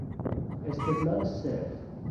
استدلال صرف